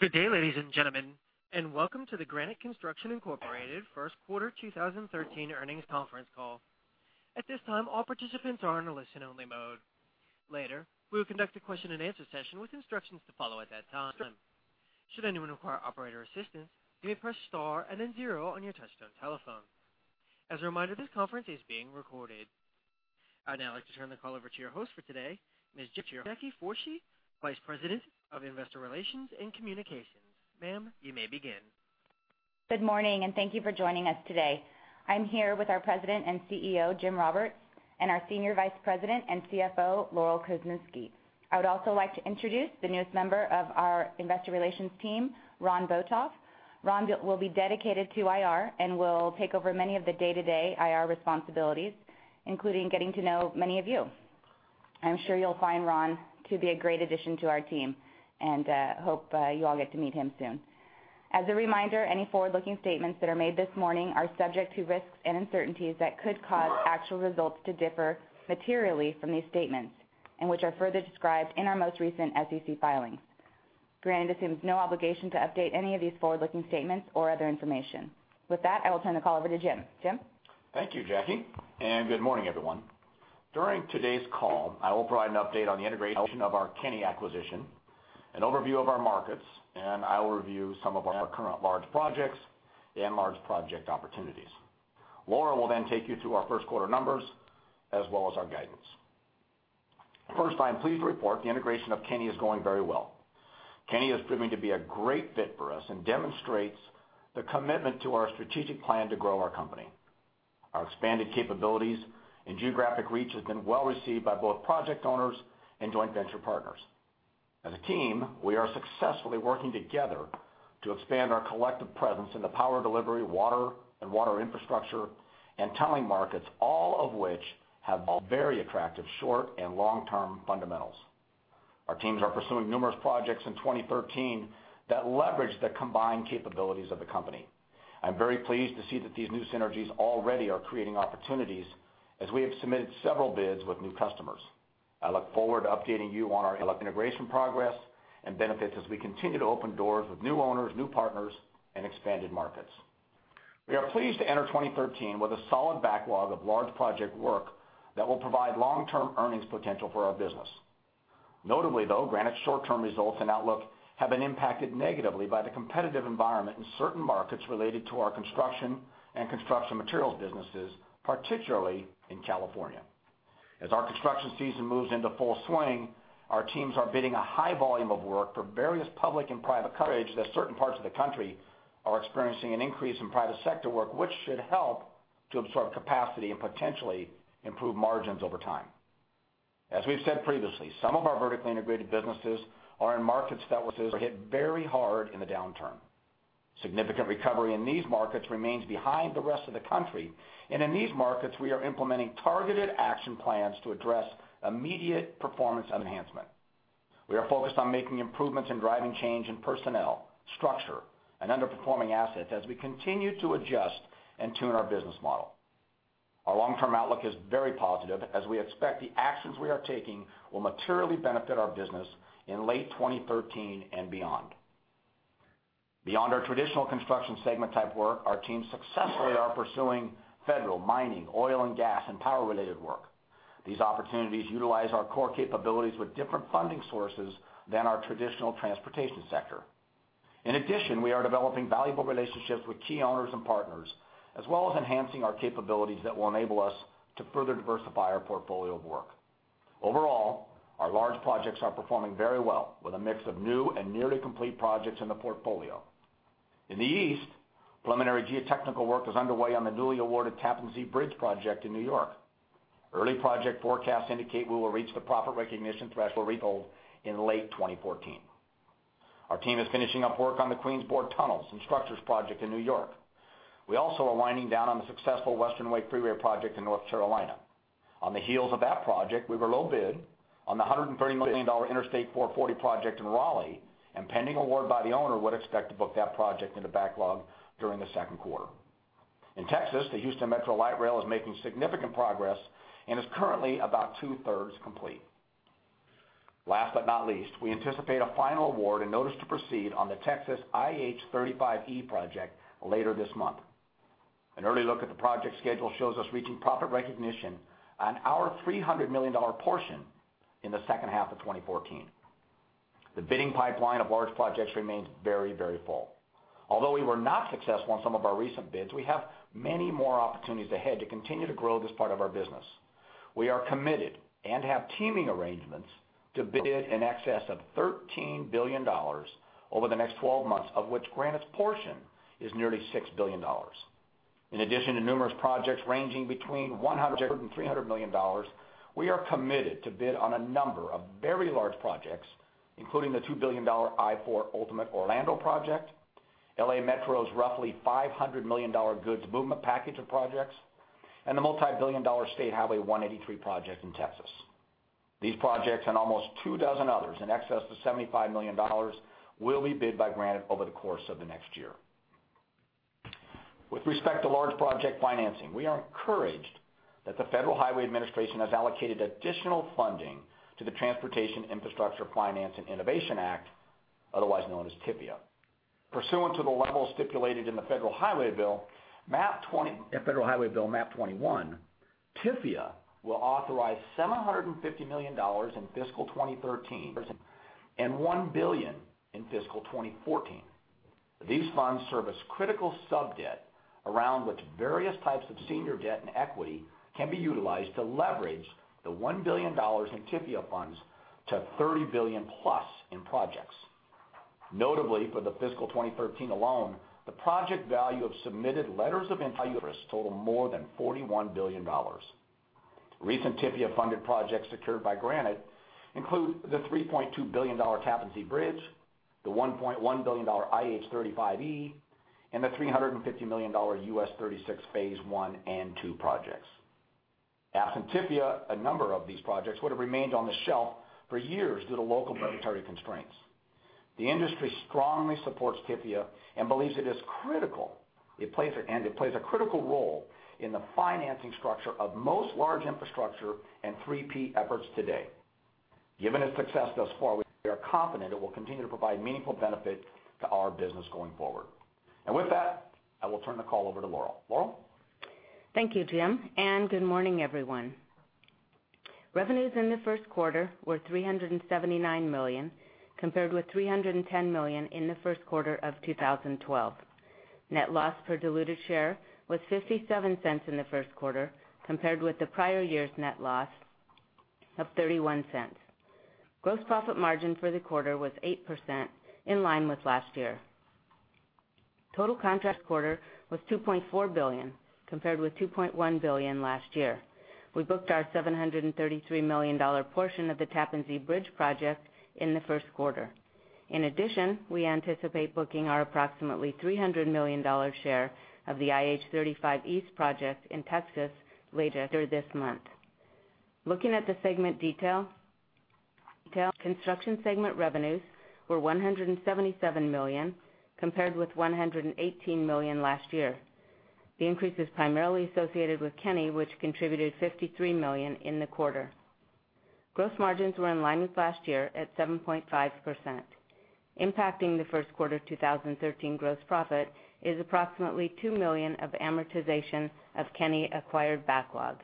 Good day, ladies and gentlemen, and welcome to the Granite Construction Incorporated first quarter 2013 earnings conference call. At this time, all participants are in a listen-only mode. Later, we will conduct a question-and-answer session with instructions to follow at that time. Should anyone require operator assistance, you may press star and then zero on your touch-tone telephone. As a reminder, this conference is being recorded. I'd now like to turn the call over to your host for today, Ms. Jacque Fourchy, Vice President of Investor Relations and Communications. Ma'am, you may begin. Good morning, and thank you for joining us today. I'm here with our President and CEO, Jim Roberts, and our Senior Vice President and CFO, Laurel Krzeminski. I would also like to introduce the newest member of our Investor Relations team, Ron Botoff. Ron will be dedicated to IR and will take over many of the day-to-day IR responsibilities, including getting to know many of you. I'm sure you'll find Ron to be a great addition to our team, and hope you all get to meet him soon. As a reminder, any forward-looking statements that are made this morning are subject to risks and uncertainties that could cause actual results to differ materially from these statements, and which are further described in our most recent SEC filings. Granite assumes no obligation to update any of these forward-looking statements or other information. With that, I will turn the call over to Jim. Jim? Thank you, Jackie, and good morning, everyone. During today's call, I will provide an update on the integration of our Kenny acquisition, an overview of our markets, and I will review some of our current large projects and large project opportunities. Laurel will then take you through our first quarter numbers as well as our guidance. First, I'm pleased to report the integration of Kenny is going very well. Kenny is proving to be a great fit for us and demonstrates the commitment to our strategic plan to grow our company. Our expanded capabilities and geographic reach have been well received by both project owners and joint venture partners. As a team, we are successfully working together to expand our collective presence in the power delivery, water and water infrastructure, and tunneling markets, all of which have very attractive short and long-term fundamentals. Our teams are pursuing numerous projects in 2013 that leverage the combined capabilities of the company. I'm very pleased to see that these new synergies already are creating opportunities as we have submitted several bids with new customers. I look forward to updating you on our integration progress and benefits as we continue to open doors with new owners, new partners, and expanded markets. We are pleased to enter 2013 with a solid backlog of large project work that will provide long-term earnings potential for our business. Notably, though, Granite's short-term results and outlook have been impacted negatively by the competitive environment in certain markets related to our construction and construction materials businesses, particularly in California. As our construction season moves into full swing, our teams are bidding a high volume of work for various public and private clients that certain parts of the country are experiencing an increase in private sector work, which should help to absorb capacity and potentially improve margins over time. As we've said previously, some of our vertically integrated businesses are in markets that were hit very hard in the downturn. Significant recovery in these markets remains behind the rest of the country, and in these markets, we are implementing targeted action plans to address immediate performance enhancement. We are focused on making improvements in driving change in personnel, structure, and underperforming assets as we continue to adjust and tune our business model. Our long-term outlook is very positive as we expect the actions we are taking will materially benefit our business in late 2013 and beyond. Beyond our traditional construction segment type work, our teams successfully are pursuing federal, mining, oil, and gas, and power-related work. These opportunities utilize our core capabilities with different funding sources than our traditional transportation sector. In addition, we are developing valuable relationships with key owners and partners, as well as enhancing our capabilities that will enable us to further diversify our portfolio of work. Overall, our large projects are performing very well with a mix of new and nearly complete projects in the portfolio. In the east, preliminary geotechnical work is underway on the newly awarded Tappan Zee Bridge project in New York. Early project forecasts indicate we will reach the profit recognition threshold in late 2014. Our team is finishing up work on the Queens Bored Tunnels and Structures project in New York. We're also winding down on the successful Western Wake Freeway project in North Carolina. On the heels of that project, we were low bid on the $130 million Interstate 440 project in Raleigh, and pending award by the owner would expect to book that project in the backlog during the second quarter. In Texas, the Houston Metro Light Rail is making significant progress and is currently about two-thirds complete. Last but not least, we anticipate a final award and notice to proceed on the Texas IH 35E project later this month. An early look at the project schedule shows us reaching profit recognition on our $300 million portion in the second half of 2014. The bidding pipeline of large projects remains very, very full. Although we were not successful in some of our recent bids, we have many more opportunities ahead to continue to grow this part of our business. We are committed and have teaming arrangements to bid in excess of $13 billion over the next 12 months, of which Granite's portion is nearly $6 billion. In addition to numerous projects ranging between $100 million-$300 million, we are committed to bid on a number of very large projects, including the $2 billion I-4 Ultimate Orlando project, LA Metro's roughly $500 million goods movement package of projects, and the multi-billion dollar State Highway 183 project in Texas. These projects and almost two dozen others in excess of $75 million will be bid by Granite over the course of the next year. With respect to large project financing, we are encouraged that the Federal Highway Administration has allocated additional funding to the Transportation Infrastructure Finance and Innovation Act, otherwise known as TIFIA. Pursuant to the level stipulated in the Federal Highway Bill, MAP-21, TIFIA will authorize $750 million in fiscal 2013 and $1 billion in fiscal 2014. These funds serve as critical sub-debt around which various types of senior debt and equity can be utilized to leverage the $1 billion in TIFIA funds to $30 billion plus in projects. Notably, for the fiscal 2013 alone, the project value of submitted letters of interest totaled more than $41 billion. Recent TIFIA-funded projects secured by Granite include the $3.2 billion Tappan Zee Bridge, the $1.1 billion IH 35E, and the $350 million U.S. 36 phase I and II projects. Absent TIFIA, a number of these projects would have remained on the shelf for years due to local budgetary constraints. The industry strongly supports TIFIA and believes it is critical, and it plays a critical role in the financing structure of most large infrastructure and 3P efforts today. Given its success thus far, we are confident it will continue to provide meaningful benefit to our business going forward. And with that, I will turn the call over to Laurel. Laurel? Thank you, Jim. Good morning, everyone. Revenues in the first quarter were $379 million compared with $310 million in the first quarter of 2012. Net loss per diluted share was $0.57 in the first quarter compared with the prior year's net loss of $0.31. Gross profit margin for the quarter was 8%, in line with last year. Total contract backlog was $2.4 billion compared with $2.1 billion last year. We booked our $733 million portion of the Tappan Zee Bridge project in the first quarter. In addition, we anticipate booking our approximately $300 million share of the IH 35E project in Texas later this month. Looking at the segment detail, construction segment revenues were $177 million compared with $118 million last year. The increase is primarily associated with Kenny, which contributed $53 million in the quarter. Gross margins were in line with last year at 7.5%. Impacting the first quarter 2013 gross profit is approximately $2 million of amortization of Kenny acquired backlog.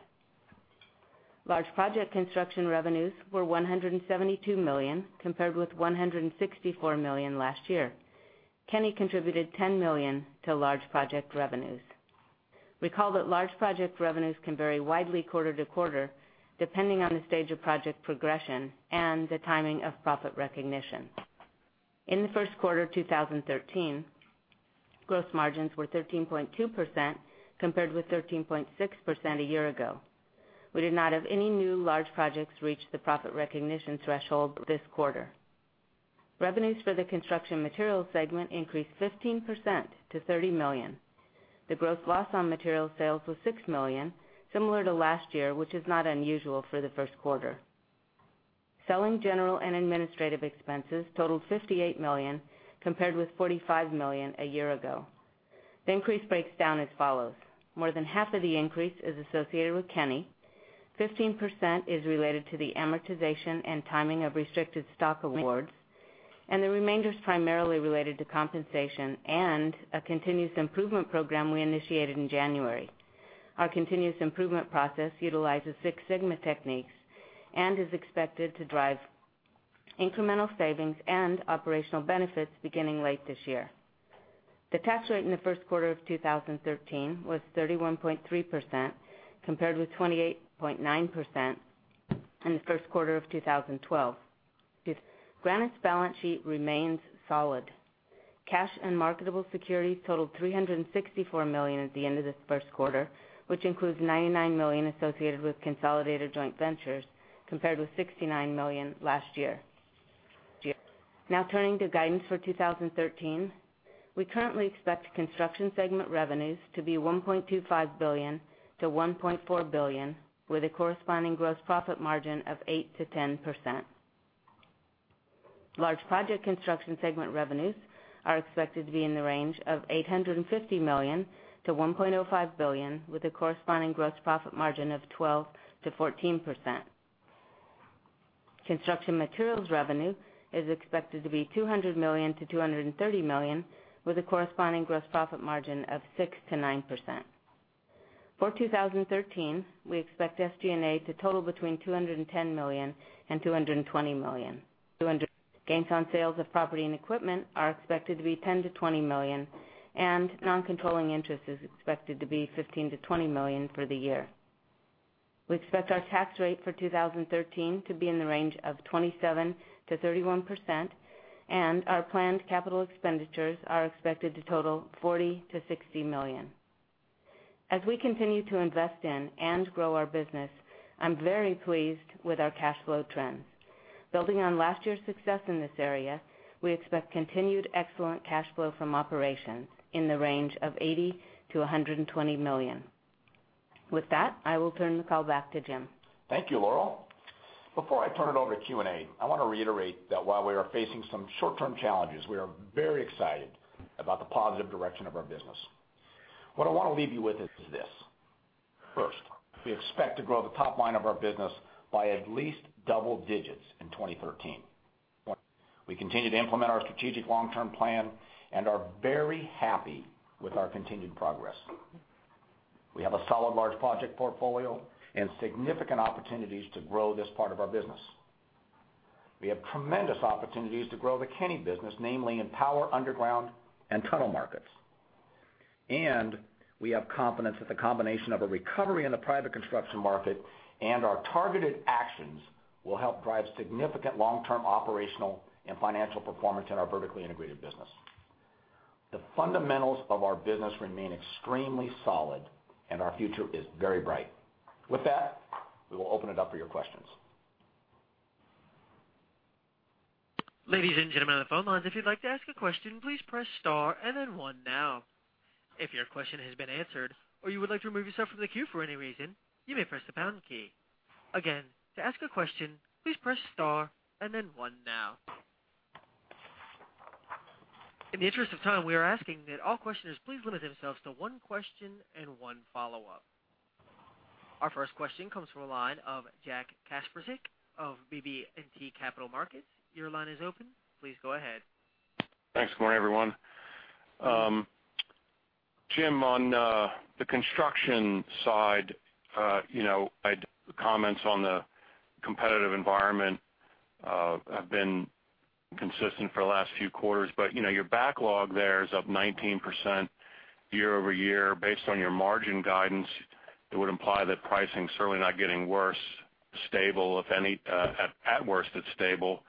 Large project construction revenues were $172 million compared with $164 million last year. Kenny contributed $10 million to large project revenues. Recall that large project revenues can vary widely quarter to quarter depending on the stage of project progression and the timing of profit recognition. In the first quarter 2013, gross margins were 13.2% compared with 13.6% a year ago. We did not have any new large projects reach the profit recognition threshold this quarter. Revenues for the construction materials segment increased 15% to $30 million. The gross loss on materials sales was $6 million, similar to last year, which is not unusual for the first quarter. Selling general and administrative expenses totaled $58 million compared with $45 million a year ago. The increase breaks down as follows. More than half of the increase is associated with Kenny. 15% is related to the amortization and timing of restricted stock awards, and the remainder is primarily related to compensation and a continuous improvement program we initiated in January. Our continuous improvement process utilizes Six Sigma techniques and is expected to drive incremental savings and operational benefits beginning late this year. The tax rate in the first quarter of 2013 was 31.3% compared with 28.9% in the first quarter of 2012. Granite's balance sheet remains solid. Cash and marketable securities totaled $364 million at the end of the first quarter, which includes $99 million associated with consolidated joint ventures compared with $69 million last year. Now turning to guidance for 2013, we currently expect construction segment revenues to be $1.25 billion-$1.4 billion, with a corresponding gross profit margin of 8%-10%. Large project construction segment revenues are expected to be in the range of $850 million to $1.05 billion, with a corresponding gross profit margin of 12%-14%. Construction materials revenue is expected to be $200 million-$230 million, with a corresponding gross profit margin of 6%-9%. For 2013, we expect SG&A to total between $210 million and $220 million. Gains on sales of property and equipment are expected to be $10 million-$20 million, and non-controlling interest is expected to be $15 million-$20 million for the year. We expect our tax rate for 2013 to be in the range of 27%-31%, and our planned capital expenditures are expected to total $40 million-$60 million. As we continue to invest in and grow our business, I'm very pleased with our cash flow trends. Building on last year's success in this area, we expect continued excellent cash flow from operations in the range of $80 million-$120 million. With that, I will turn the call back to Jim. Thank you, Laurel. Before I turn it over to Q&A, I want to reiterate that while we are facing some short-term challenges, we are very excited about the positive direction of our business. What I want to leave you with is this: first, we expect to grow the top line of our business by at least double digits in 2013. We continue to implement our strategic long-term plan and are very happy with our continued progress. We have a solid large project portfolio and significant opportunities to grow this part of our business. We have tremendous opportunities to grow the Kenny business, namely in power, underground, and tunnel markets. And we have confidence that the combination of a recovery in the private construction market and our targeted actions will help drive significant long-term operational and financial performance in our vertically integrated business. The fundamentals of our business remain extremely solid, and our future is very bright. With that, we will open it up for your questions. Ladies and gentlemen on the phone lines, if you'd like to ask a question, please press star and then one now. If your question has been answered or you would like to remove yourself from the queue for any reason, you may press the pound key. Again, to ask a question, please press star and then one now. In the interest of time, we are asking that all questioners please limit themselves to one question and one follow-up. Our first question comes from a line of Jack Kasprzak of BB&T Capital Markets. Your line is open. Please go ahead. Thanks for going on, everyone. Jim, on the construction side, the comments on the competitive environment have been consistent for the last few quarters, but your backlog there is up 19% year-over-year. Based on your margin guidance, it would imply that pricing is certainly not getting worse, stable, if any, at worst, it's stable.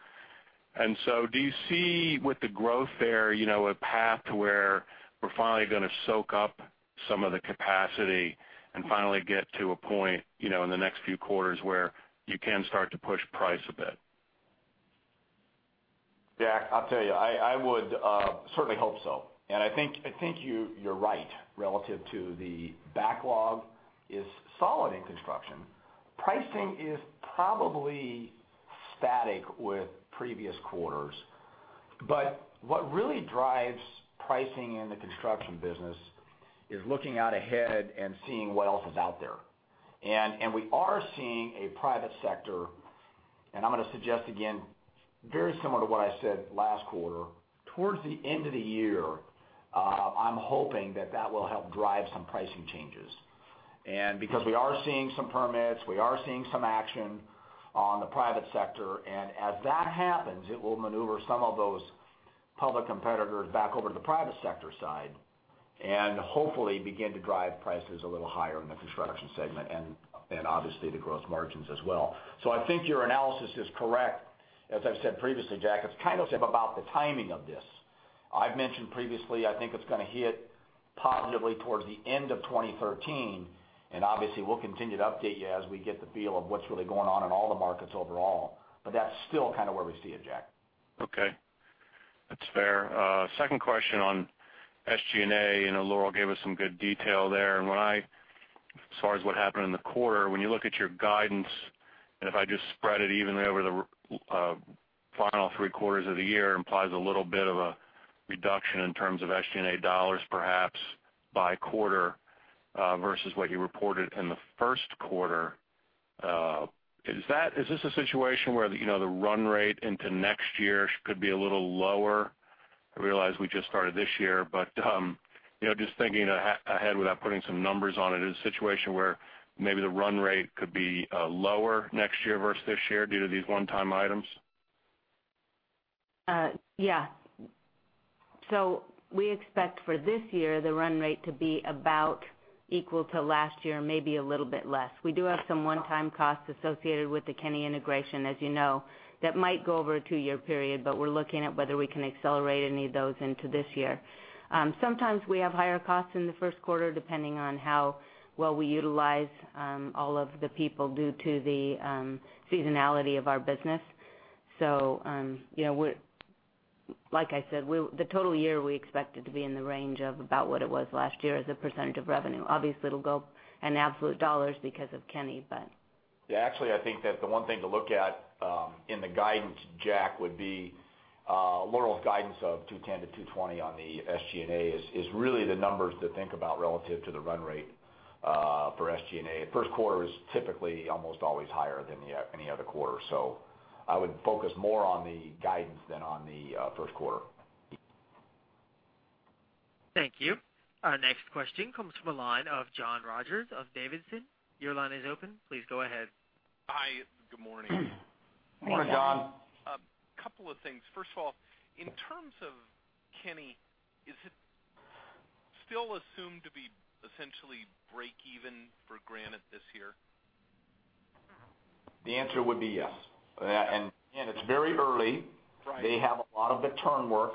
And so do you see with the growth there a path to where we're finally going to soak up some of the capacity and finally get to a point in the next few quarters where you can start to push price a bit? Jack, I'll tell you, I would certainly hope so. I think you're right relative to the backlog is solid in construction. Pricing is probably static with previous quarters, but what really drives pricing in the construction business is looking out ahead and seeing what else is out there. We are seeing a private sector, and I'm going to suggest again, very similar to what I said last quarter, towards the end of the year, I'm hoping that that will help drive some pricing changes. Because we are seeing some permits, we are seeing some action on the private sector, and as that happens, it will maneuver some of those public competitors back over to the private sector side and hopefully begin to drive prices a little higher in the construction segment and obviously the gross margins as well. I think your analysis is correct. As I've said previously, Jack, it's kind of about the timing of this. I've mentioned previously, I think it's going to hit positively towards the end of 2013, and obviously we'll continue to update you as we get the feel of what's really going on in all the markets overall, but that's still kind of where we see it, Jack. Okay. That's fair. Second question on SG&A, and Laurel gave us some good detail there. And as far as what happened in the quarter, when you look at your guidance, and if I just spread it evenly over the final three quarters of the year, it implies a little bit of a reduction in terms of SG&A dollars perhaps by quarter versus what you reported in the first quarter. Is this a situation where the run rate into next year could be a little lower? I realize we just started this year, but just thinking ahead without putting some numbers on it, is it a situation where maybe the run rate could be lower next year versus this year due to these one-time items? Yeah. So we expect for this year the run rate to be about equal to last year, maybe a little bit less. We do have some one-time costs associated with the Kenny integration, as you know, that might go over a two-year period, but we're looking at whether we can accelerate any of those into this year. Sometimes we have higher costs in the first quarter depending on how well we utilize all of the people due to the seasonality of our business. So like I said, the total year we expect it to be in the range of about what it was last year as a percentage of revenue. Obviously, it'll go in absolute dollars because of Kenny, but. Yeah. Actually, I think that the one thing to look at in the guidance, Jack, would be Laurel's guidance of $210-$220 on the SG&A is really the numbers to think about relative to the run rate for SG&A. The first quarter is typically almost always higher than any other quarter, so I would focus more on the guidance than on the first quarter. Thank you. Our next question comes from a line of John Rogers of D.A. Davidson. Your line is open. Please go ahead. Hi. Good morning. Morning, John. A couple of things. First of all, in terms of Kenny, is it still assumed to be essentially break-even for Granite this year? The answer would be yes. And again, it's very early. They have a lot of the turn work,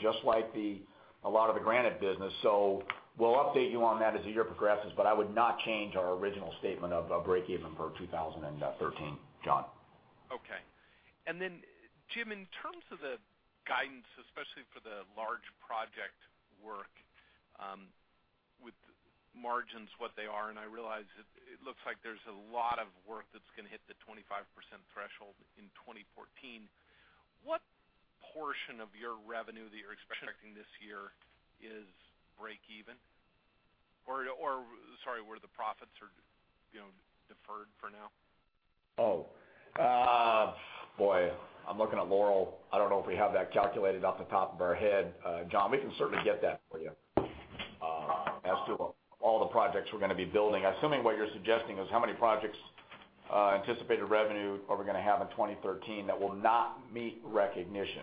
just like a lot of the Granite business, so we'll update you on that as the year progresses, but I would not change our original statement of break-even for 2013, John. Okay. And then, Jim, in terms of the guidance, especially for the large project work with margins what they are, and I realize it looks like there's a lot of work that's going to hit the 25% threshold in 2014. What portion of your revenue that you're expecting this year is break-even? Or sorry, where the profits are deferred for now? Oh boy, I'm looking at Laurel. I don't know if we have that calculated off the top of our head. John, we can certainly get that for you as to all the projects we're going to be building. Assuming what you're suggesting is how many projects anticipated revenue are we going to have in 2013 that will not meet recognition,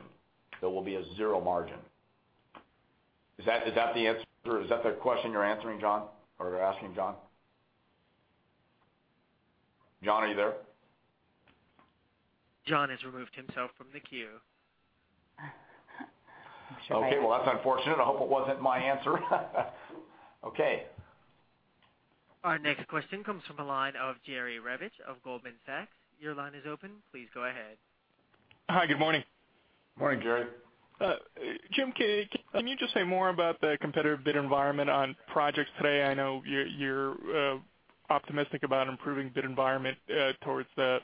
that will be a zero margin. Is that the answer? Is that the question you're answering, John, or asking, John? John, are you there? John has removed himself from the queue. Okay. Well, that's unfortunate. I hope it wasn't my answer. Okay. Our next question comes from a line of Jerry Revich of Goldman Sachs. Your line is open. Please go ahead. Hi. Good morning. Morning, Jerry. Jim, can you just say more about the competitive bid environment on projects today? I know you're optimistic about improving bid environment towards the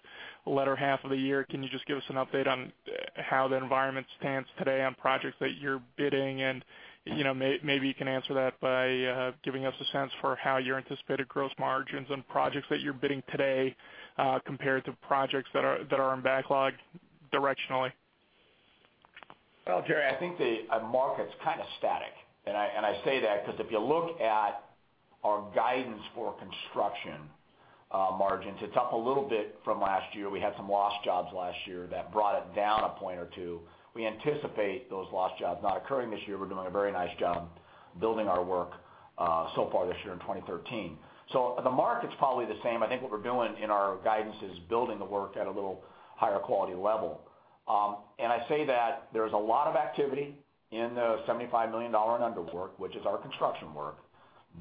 latter half of the year. Can you just give us an update on how the environment stands today on projects that you're bidding? And maybe you can answer that by giving us a sense for how you anticipate gross margins on projects that you're bidding today compared to projects that are in backlog directionally. Well, Jerry, I think the market's kind of static. And I say that because if you look at our guidance for construction margins, it's up a little bit from last year. We had some lost jobs last year that brought it down a point or two. We anticipate those lost jobs not occurring this year. We're doing a very nice job building our work so far this year in 2013. So the market's probably the same. I think what we're doing in our guidance is building the work at a little higher quality level. And I say that there's a lot of activity in the $75 million and under work, which is our construction work,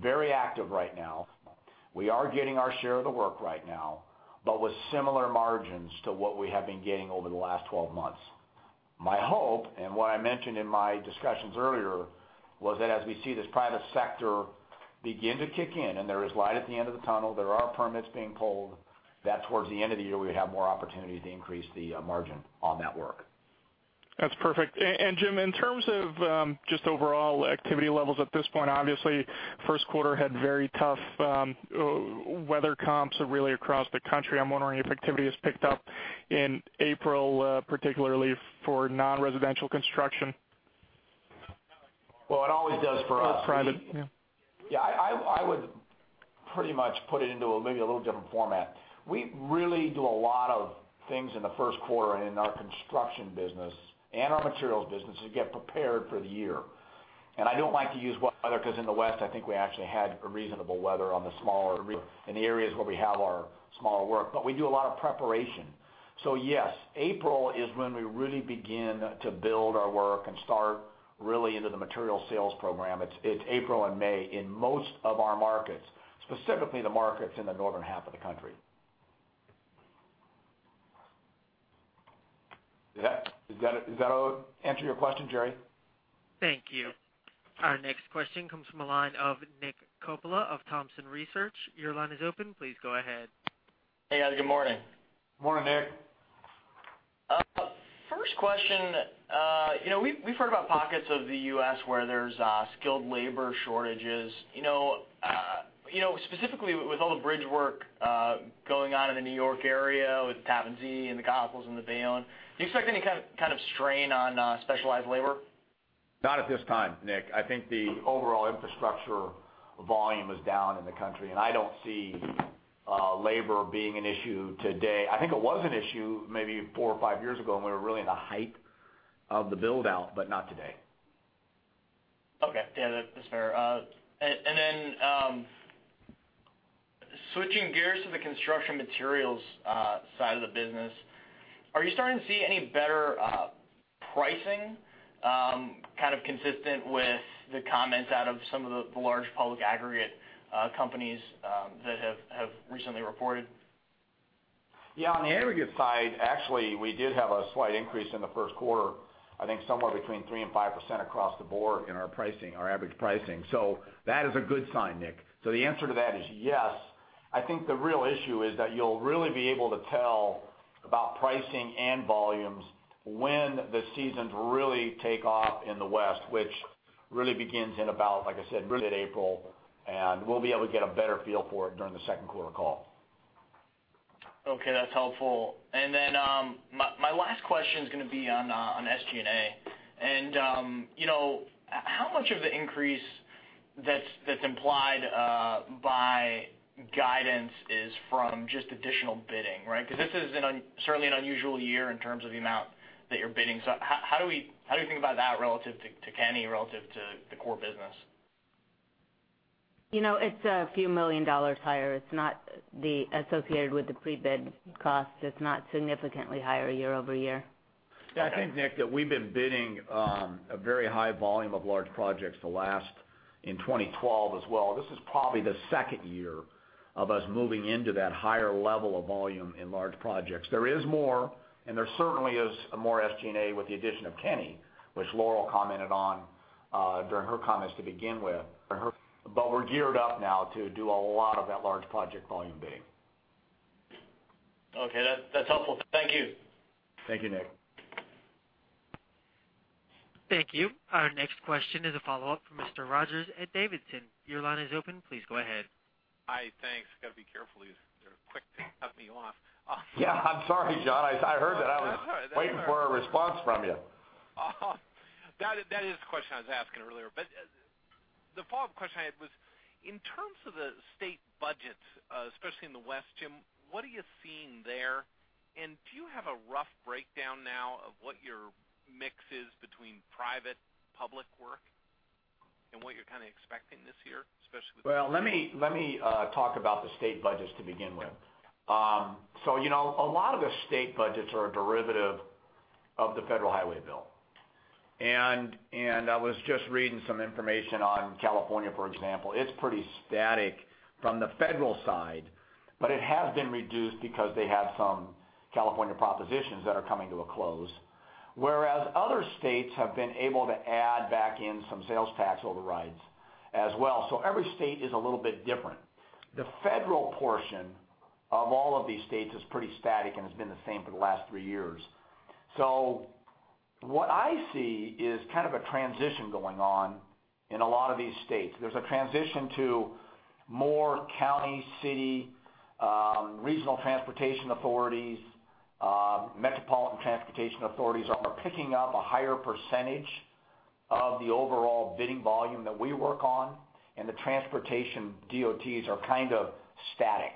very active right now. We are getting our share of the work right now, but with similar margins to what we have been getting over the last 12 months. My hope, and what I mentioned in my discussions earlier, was that as we see this private sector begin to kick in and there is light at the end of the tunnel, there are permits being pulled, that towards the end of the year we would have more opportunities to increase the margin on that work. That's perfect. And Jim, in terms of just overall activity levels at this point, obviously first quarter had very tough weather comps really across the country. I'm wondering if activity has picked up in April, particularly for non-residential construction? Well, it always does for us. Private, yeah. Yeah. I would pretty much put it into maybe a little different format. We really do a lot of things in the first quarter in our construction business and our materials business to get prepared for the year. I don't like to use weather because in the West, I think we actually had reasonable weather on the smaller. In the areas where we have our smaller work, but we do a lot of preparation. So yes, April is when we really begin to build our work and start really into the materials sales program. It's April and May in most of our markets, specifically the markets in the northern half of the country. Does that answer your question, Jerry? Thank you. Our next question comes from a line of Nick Coppola of Thompson Research. Your line is open. Please go ahead. Hey, guys. Good morning. Morning, Nick. First question. We've heard about pockets of the U.S. where there's skilled labor shortages. Specifically, with all the bridge work going on in the New York area with Tappan Zee and the Goethals and the Bayonne, do you expect any kind of strain on specialized labor? Not at this time, Nick. I think the overall infrastructure volume is down in the country, and I don't see labor being an issue today. I think it was an issue maybe four or five years ago when we were really in the height of the build-out, but not today. Okay. Yeah, that's fair. And then switching gears to the construction materials side of the business, are you starting to see any better pricing kind of consistent with the comments out of some of the large public aggregate companies that have recently reported? Yeah. On the aggregate side, actually, we did have a slight increase in the first quarter, I think somewhere between 3%-5% across the board in our pricing, our average pricing. So that is a good sign, Nick. So the answer to that is yes. I think the real issue is that you'll really be able to tell about pricing and volumes when the seasons really take off in the West, which really begins in about, like I said, mid-April, and we'll be able to get a better feel for it during the second quarter call. Okay. That's helpful. And then my last question is going to be on SG&A. And how much of the increase that's implied by guidance is from just additional bidding, right? Because this is certainly an unusual year in terms of the amount that you're bidding. So how do we think about that relative to Kenny, relative to the core business? It's a few million dollar higher. It's not associated with the pre-bid costs. It's not significantly higher year-over-year. Yeah. I think, Nick, that we've been bidding a very high volume of large projects the last in 2012 as well. This is probably the second year of us moving into that higher level of volume in large projects. There is more, and there certainly is more SG&A with the addition of Kenny, which Laurel commented on during her comments to begin with. But we're geared up now to do a lot of that large project volume bidding. Okay. That's helpful. Thank you. Thank you, Nick. Thank you. Our next question is a follow-up from Mr. Rogers at Davidson. Your line is open. Please go ahead. Hi. Thanks. Got to be careful. You're quick to cut me off. Yeah. I'm sorry, John. I heard that. I was waiting for a response from you. That is the question I was asking earlier. But the follow-up question I had was, in terms of the state budgets, especially in the West, Jim, what are you seeing there? And do you have a rough breakdown now of what your mix is between private-public work and what you're kind of expecting this year, especially with? Well, let me talk about the state budgets to begin with. A lot of the state budgets are a derivative of the federal highway bill. I was just reading some information on California, for example. It's pretty static from the federal side, but it has been reduced because they have some California propositions that are coming to a close, whereas other states have been able to add back in some sales tax overrides as well. Every state is a little bit different. The federal portion of all of these states is pretty static and has been the same for the last three years. What I see is kind of a transition going on in a lot of these states. There's a transition to more county, city, regional transportation authorities, metropolitan transportation authorities are picking up a higher percentage of the overall bidding volume that we work on, and the transportation DOTs are kind of static.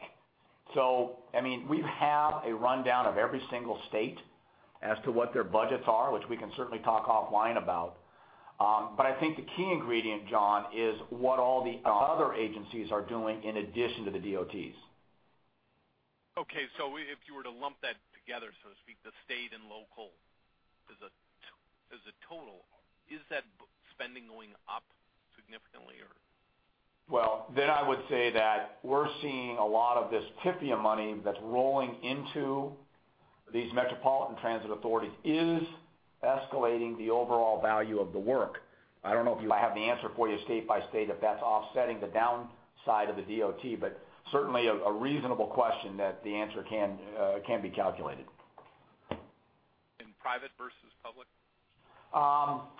So I mean, we have a rundown of every single state as to what their budgets are, which we can certainly talk offline about. But I think the key ingredient, John, is what all the other agencies are doing in addition to the DOTs. Okay. So if you were to lump that together, so to speak, the state and local as a total, is that spending going up significantly, or? Well, then I would say that we're seeing a lot of this TIFIA money that's rolling into these metropolitan transit authorities is escalating the overall value of the work. I don't know if you have the answer for your state by state if that's offsetting the downside of the DOT, but certainly a reasonable question that the answer can be calculated. Private versus public?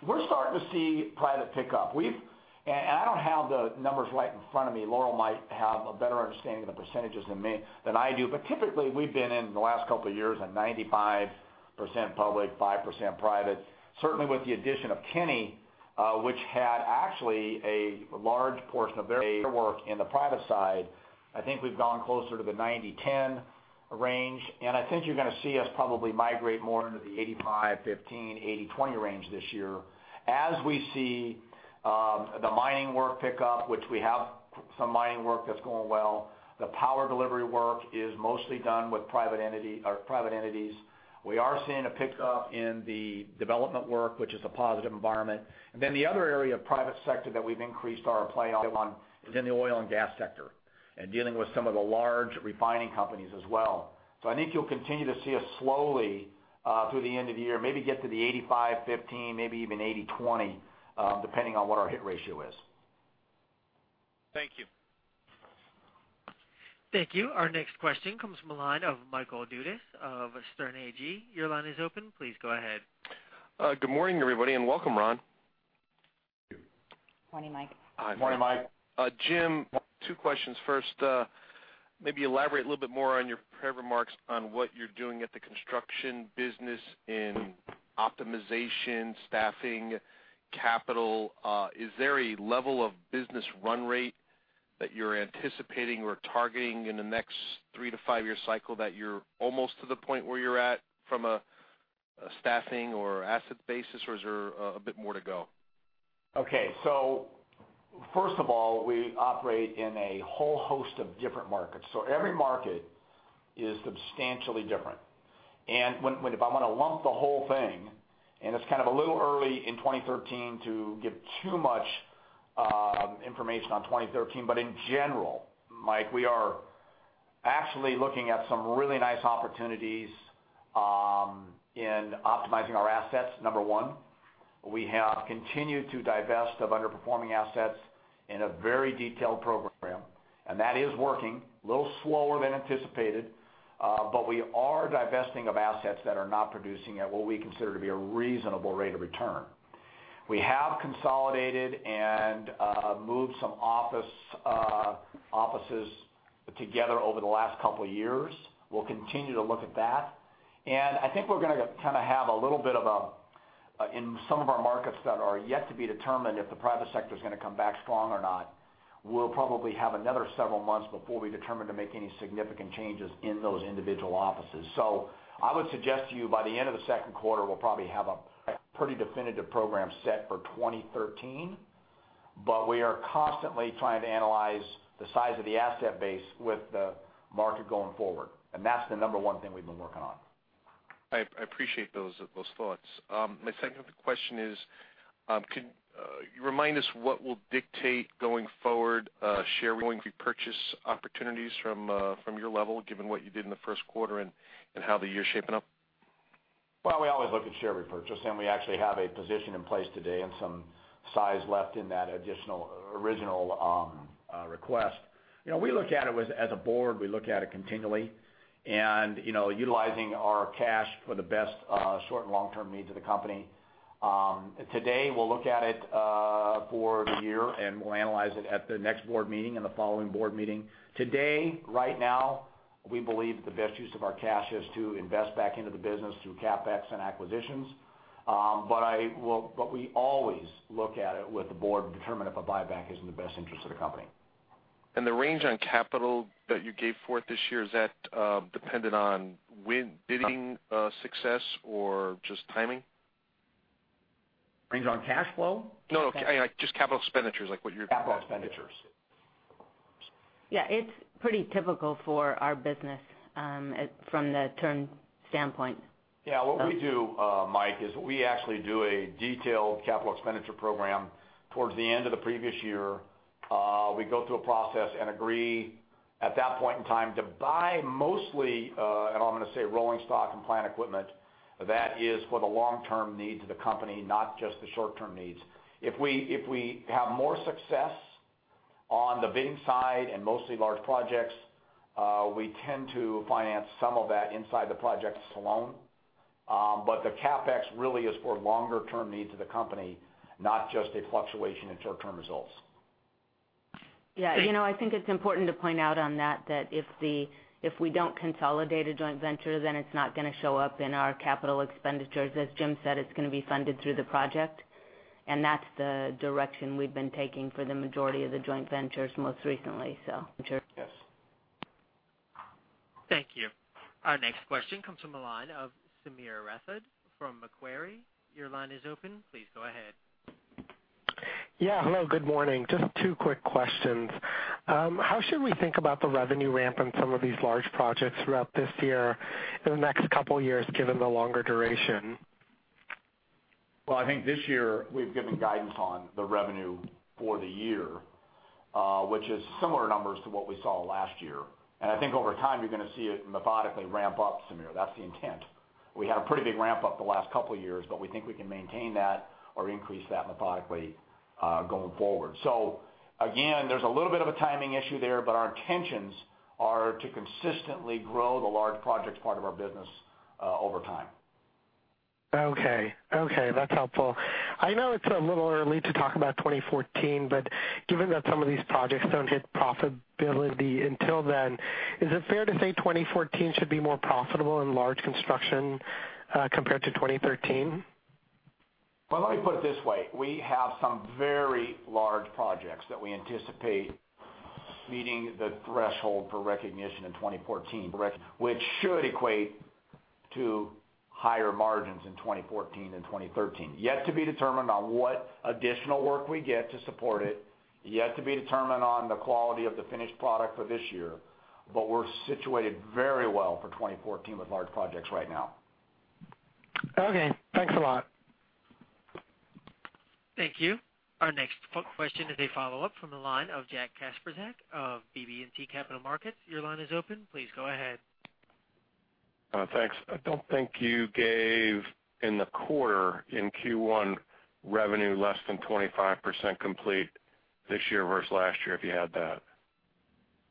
We're starting to see private pick up. I don't have the numbers right in front of me. Laurel might have a better understanding of the percentages than I do. But typically, we've been in the last couple of years at 95% public, 5% private. Certainly, with the addition of Kenny, which had actually a large portion of their work in the private side, I think we've gone closer to the 90/10 range. And I think you're going to see us probably migrate more into the 85/15, 80/20 range this year. As we see the mining work pick up, which we have some mining work that's going well, the power delivery work is mostly done with private entities. We are seeing a pick up in the development work, which is a positive environment. And then the other area of private sector that we've increased our play on is in the oil and gas sector and dealing with some of the large refining companies as well. So I think you'll continue to see us slowly through the end of the year, maybe get to the 85/15, maybe even 80/20, depending on what our hit ratio is. Thank you. Thank you. Our next question comes from a line of Michael Dudas of Sterne Agee. Your line is open. Please go ahead. Good morning, everybody, and welcome, Ron. Morning, Mike. Hi. Morning, Mike. Jim, two questions first. Maybe elaborate a little bit more on your remarks on what you're doing at the construction business in optimization, staffing, capital. Is there a level of business run rate that you're anticipating or targeting in the next three to five-year cycle that you're almost to the point where you're at from a staffing or asset basis, or is there a bit more to go? Okay. So first of all, we operate in a whole host of different markets. So every market is substantially different. And if I'm going to lump the whole thing, and it's kind of a little early in 2013 to give too much information on 2013, but in general, Mike, we are actually looking at some really nice opportunities in optimizing our assets, number one. We have continued to divest of underperforming assets in a very detailed program, and that is working a little slower than anticipated, but we are divesting of assets that are not producing at what we consider to be a reasonable rate of return. We have consolidated and moved some offices together over the last couple of years. We'll continue to look at that. I think we're going to kind of have a little bit of a in some of our markets that are yet to be determined if the private sector is going to come back strong or not. We'll probably have another several months before we determine to make any significant changes in those individual offices. So I would suggest to you by the end of the second quarter, we'll probably have a pretty definitive program set for 2013, but we are constantly trying to analyze the size of the asset base with the market going forward. That's the number one thing we've been working on. I appreciate those thoughts. My second question is, could you remind us what will dictate going forward share repurchase opportunities from your level, given what you did in the first quarter and how the year's shaping up? Well, we always look at share repurchase, and we actually have a position in place today and some size left in that additional original request. We look at it as a board. We look at it continually and utilizing our cash for the best short and long-term needs of the company. Today, we'll look at it for the year, and we'll analyze it at the next board meeting and the following board meeting. Today, right now, we believe the best use of our cash is to invest back into the business through CapEx and acquisitions. But we always look at it with the board to determine if a buyback is in the best interest of the company. The range on capital that you gave forth this year, is that dependent on bidding success or just timing? Range on cash flow? No, no. Just capital expenditures, like what you're. Capital expenditures. Yeah. It's pretty typical for our business from the term standpoint. Yeah. What we do, Mike, is we actually do a detailed capital expenditure program towards the end of the previous year. We go through a process and agree at that point in time to buy mostly, and I'm going to say rolling stock and plant equipment, that is for the long-term needs of the company, not just the short-term needs. If we have more success on the bidding side and mostly large projects, we tend to finance some of that inside the projects alone. But the CapEx really is for longer-term needs of the company, not just a fluctuation in short-term results. Yeah. I think it's important to point out on that that if we don't consolidate a joint venture, then it's not going to show up in our capital expenditures. As Jim said, it's going to be funded through the project. And that's the direction we've been taking for the majority of the joint ventures most recently, so. Yes. Thank you. Our next question comes from a line of Sameer Rathod from Macquarie. Your line is open. Please go ahead. Yeah. Hello. Good morning. Just two quick questions. How should we think about the revenue ramp in some of these large projects throughout this year and the next couple of years given the longer duration? Well, I think this year we've given guidance on the revenue for the year, which is similar numbers to what we saw last year. And I think over time, you're going to see it methodically ramp up, Samir. That's the intent. We had a pretty big ramp up the last couple of years, but we think we can maintain that or increase that methodically going forward. So again, there's a little bit of a timing issue there, but our intentions are to consistently grow the large projects part of our business over time. Okay. Okay. That's helpful. I know it's a little early to talk about 2014, but given that some of these projects don't hit profitability until then, is it fair to say 2014 should be more profitable in large construction compared to 2013? Well, let me put it this way. We have some very large projects that we anticipate meeting the threshold for recognition in 2014, which should equate to higher margins in 2014 and 2013. Yet to be determined on what additional work we get to support it. Yet to be determined on the quality of the finished product for this year. But we're situated very well for 2014 with large projects right now. Okay. Thanks a lot. Thank you. Our next question is a follow-up from a line of Jack Kasprzak of BB&T Capital Markets. Your line is open. Please go ahead. Thanks. I don't think you gave in the quarter in Q1 revenue less than 25% complete this year versus last year if you had that?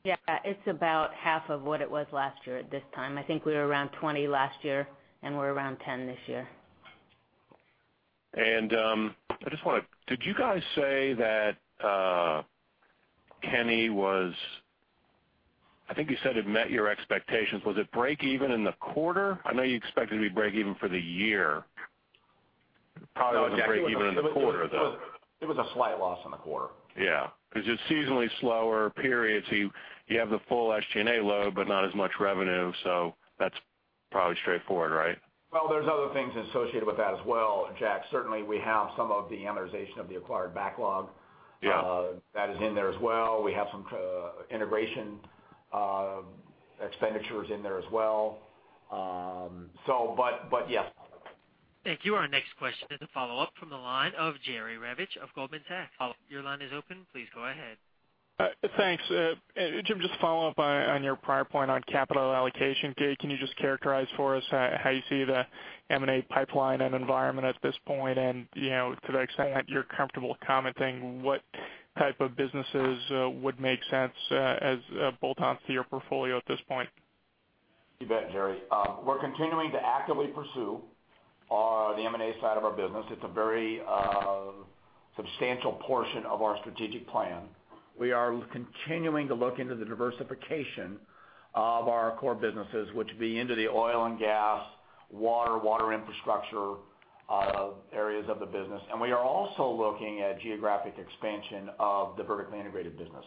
Yeah. It's about half of what it was last year at this time. I think we were around 20 last year, and we're around 10 this year. I just want to—did you guys say that Kenny was—I think you said it met your expectations. Was it break-even in the quarter? I know you expected it to be break-even for the year. Probably not break-even in the quarter, though. It was a slight loss in the quarter. Yeah. Because it's seasonally slower periods. You have the full SG&A load, but not as much revenue. So that's probably straightforward, right? Well, there's other things associated with that as well. Jack, certainly we have some of the amortization of the acquired backlog that is in there as well. We have some integration expenditures in there as well. But yes. Thank you. Our next question is a follow-up from a line of Jerry Revich of Goldman Sachs. Your line is open. Please go ahead. Thanks. Jim, just to follow up on your prior point on capital allocation, can you just characterize for us how you see the M&A pipeline and environment at this point? To the extent that you're comfortable commenting, what type of businesses would make sense as bolt-ons to your portfolio at this point? You bet, Jerry. We're continuing to actively pursue the M&A side of our business. It's a very substantial portion of our strategic plan. We are continuing to look into the diversification of our core businesses, which would be into the oil and gas, water, water infrastructure areas of the business. And we are also looking at geographic expansion of the vertically integrated business,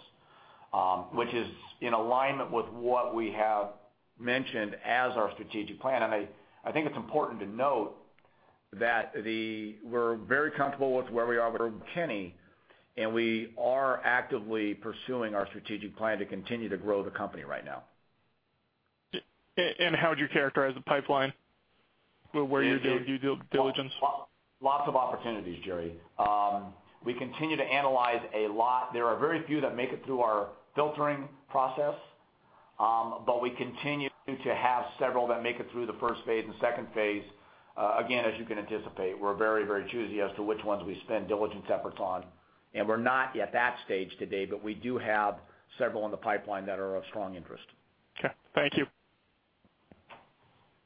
which is in alignment with what we have mentioned as our strategic plan. And I think it's important to note that we're very comfortable with where we are with Kenny, and we are actively pursuing our strategic plan to continue to grow the company right now. How would you characterize the pipeline where you're doing due diligence? Lots of opportunities, Jerry. We continue to analyze a lot. There are very few that make it through our filtering process, but we continue to have several that make it through the first phase and second phase. Again, as you can anticipate, we're very, very choosy as to which ones we spend diligence efforts on. We're not at that stage today, but we do have several in the pipeline that are of strong interest. Okay. Thank you.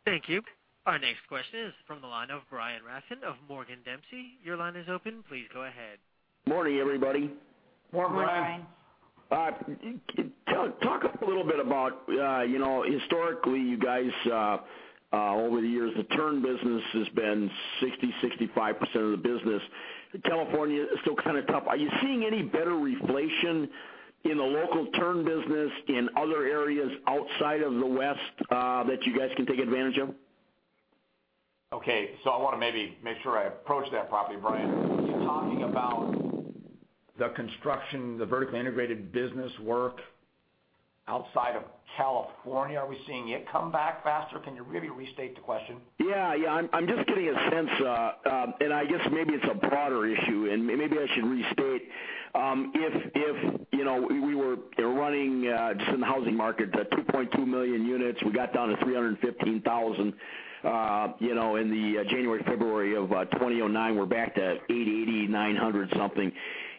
Thank you. Our next question is from the line of Brian Rafn of Morgan Dempsey. Your line is open. Please go ahead. Morning, everybody. Morning, Brian. Morning, Brian. Talk a little bit about historically, you guys, over the years, the turn business has been 60%-65% of the business. California is still kind of tough. Are you seeing any better reflation in the local turn business in other areas outside of the West that you guys can take advantage of? Okay. So I want to maybe make sure I approach that properly, Brian. You're talking about the construction, the vertically integrated business work outside of California. Are we seeing it come back faster? Can you really restate the question? Yeah. Yeah. I'm just getting a sense, and I guess maybe it's a broader issue, and maybe I should restate. If we were running just in the housing market, 2.2 million units, we got down to 315,000 in the January-February of 2009. We're back to 88,900-something.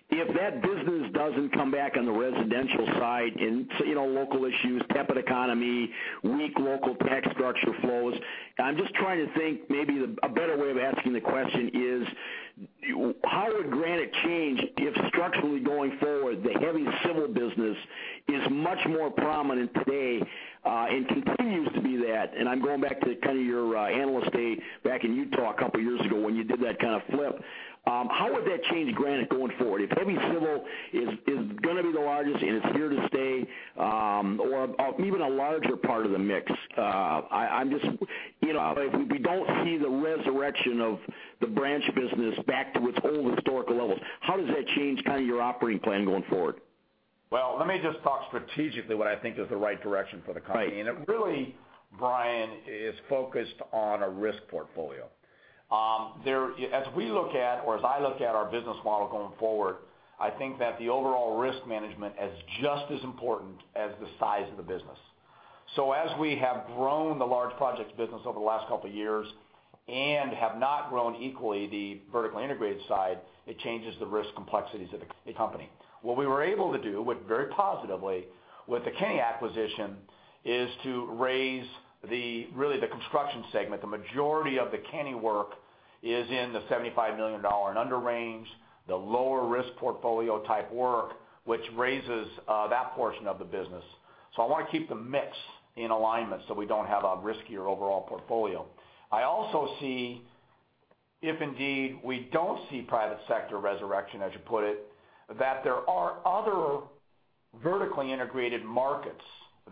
If that business doesn't come back on the residential side and local issues, tepid economy, weak local tax structure flows, I'm just trying to think maybe a better way of asking the question is, how would Granite change if structurally going forward, the heavy civil business is much more prominent today and continues to be that? And I'm going back to kind of your analyst day back in Utah a couple of years ago when you did that kind of flip. How would that change Granite going forward? If heavy civil is going to be the largest and it's here to stay, or even a larger part of the mix, I'm just—if we don't see the resurrection of the branch business back to its old historical levels, how does that change kind of your operating plan going forward? Well, let me just talk strategically what I think is the right direction for the company. Really, Brian is focused on a risk portfolio. As we look at, or as I look at our business model going forward, I think that the overall risk management is just as important as the size of the business. So as we have grown the large projects business over the last couple of years and have not grown equally the vertically integrated side, it changes the risk complexities of the company. What we were able to do very positively with the Kenny acquisition is to raise really the construction segment. The majority of the Kenny work is in the $75 million and under range, the lower risk portfolio type work, which raises that portion of the business. So I want to keep the mix in alignment so we don't have a riskier overall portfolio. I also see, if indeed we don't see private sector resurrection, as you put it, that there are other vertically integrated markets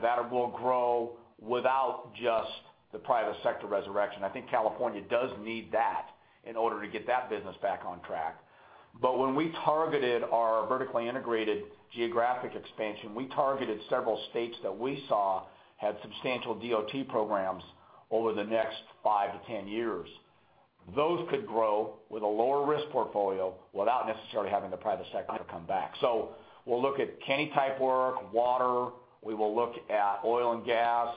that will grow without just the private sector resurrection. I think California does need that in order to get that business back on track. But when we targeted our vertically integrated geographic expansion, we targeted several states that we saw had substantial DOT programs over the next 5-10 years. Those could grow with a lower risk portfolio without necessarily having the private sector come back. So we'll look at Kenny type work, water. We will look at oil and gas.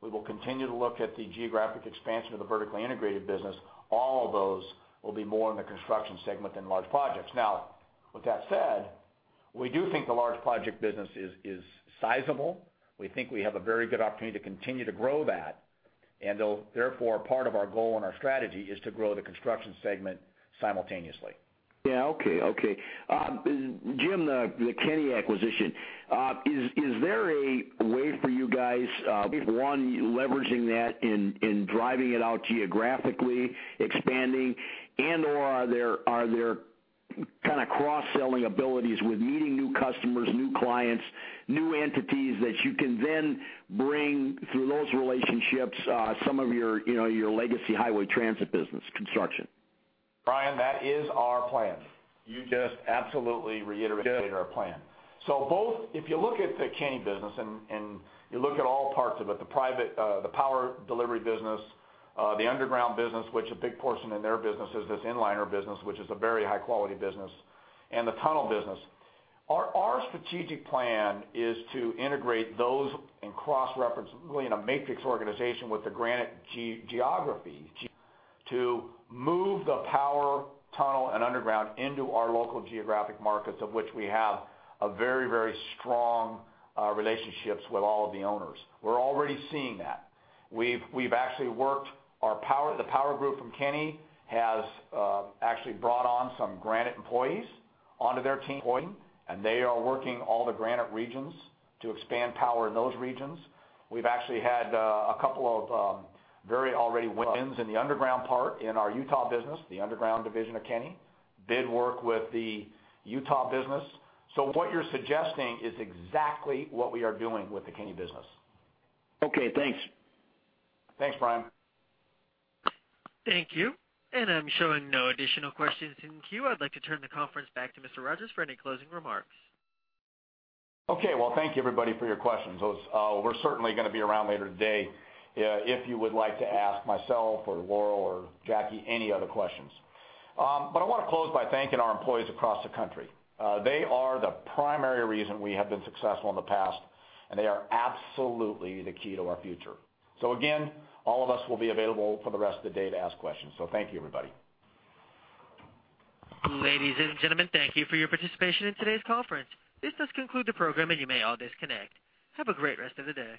We will continue to look at the geographic expansion of the vertically integrated business. All of those will be more in the construction segment than large projects. Now, with that said, we do think the large project business is sizable. We think we have a very good opportunity to continue to grow that. And therefore, part of our goal and our strategy is to grow the construction segment simultaneously. Yeah. Okay. Okay. Jim, the Kenny acquisition, is there a way for you guys, one, leveraging that and driving it out geographically, expanding, and/or are there kind of cross-selling abilities with meeting new customers, new clients, new entities that you can then bring through those relationships some of your legacy highway transit business construction? Brian, that is our plan. You just absolutely reiterated our plan. So if you look at the Kenny business and you look at all parts of it, the power delivery business, the underground business, which a big portion in their business is this Inliner business, which is a very high-quality business, and the tunnel business, our strategic plan is to integrate those and cross-reference really in a matrix organization with the Granite geography to move the power, tunnel, and underground into our local geographic markets, of which we have very, very strong relationships with all of the owners. We're already seeing that. We've actually worked our power, the power group from Kenny has actually brought on some Granite employees onto their team, and they are working all the Granite regions to expand power in those regions. We've actually had a couple of very early wins in the underground part in our Utah business, the underground division of Kenny, bid work with the Utah business. So what you're suggesting is exactly what we are doing with the Kenny business. Okay. Thanks. Thanks, Brian. Thank you. I'm showing no additional questions in queue. I'd like to turn the conference back to Mr. Roberts for any closing remarks. Okay. Well, thank you, everybody, for your questions. We're certainly going to be around later today if you would like to ask myself or Laurel or Jackie any other questions. But I want to close by thanking our employees across the country. They are the primary reason we have been successful in the past, and they are absolutely the key to our future. So again, all of us will be available for the rest of the day to ask questions. So thank you, everybody. Ladies and gentlemen, thank you for your participation in today's conference. This does conclude the program, and you may all disconnect. Have a great rest of the day.